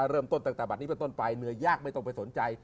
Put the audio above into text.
เริ่มต้นตั้งแต่บัตรนี้ไปต้นไปเหนือยากไม่ต้องไปสนใจ